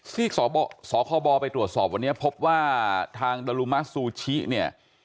ที่สสขบไปตรวจสอบวันเนี้ยพบว่าทางเนี้ย